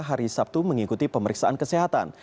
hari sabtu mengikuti pemeriksaan kesehatan